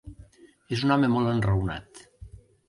És un home molt enraonat.